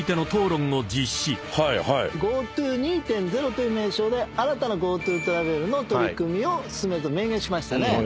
「ＧｏＴｏ２．０という名称で新たなＧｏＴｏトラベルの取り組みを進めると明言しましたね」